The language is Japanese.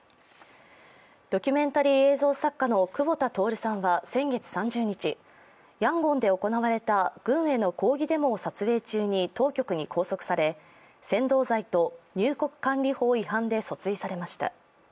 ドキュメンタリー映像作家の久保田徹さんは、先月３０日ヤンゴンで行われた軍への抗議デモを撮影中に当局に拘束され扇動罪と入国管理法違反で訴追されました。